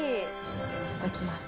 いただきます。